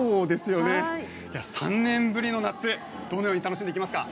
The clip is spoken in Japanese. ３年ぶりの夏どのように楽しんでいきますか？